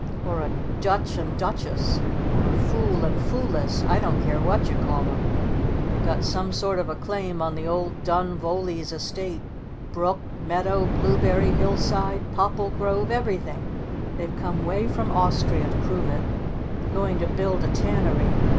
"Or a Duch and Duchess! Or a Fool and Fooless! I don't care what you call 'em! They've got some sort of a claim on the old Dun Voolees estate. Brook, meadow, blueberry hillside, popple grove, everything! They've come way from Austria to prove it! Going to build a Tannery!